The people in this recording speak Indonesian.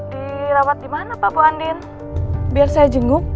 dirawat di mana pak bu andin biar saya jenguk